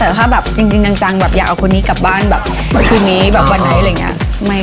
แต่ถ้าจริงจังอยากเอาคนนี้กลับบ้านคืนนี้วันไหน